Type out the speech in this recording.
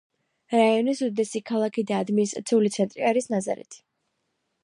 რაიონის უდიდესი ქალაქი და ადმინისტრაციული ცენტრი არის ნაზარეთი.